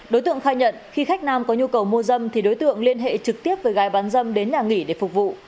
đối tượng khai nhận khi khách nam có nhu cầu mua dâm thì đối tượng liên hệ trực tiếp với gái bán dâm đến nhà nghỉ để phục vụ